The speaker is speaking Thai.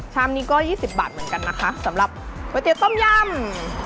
ชามนี้ก็๒๐บาทเหมือนกันนะคะสำหรับก๋วยเตี๋ยต้มยำ